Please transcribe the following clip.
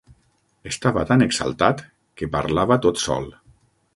Estava tan exaltat, que parlava tot sol.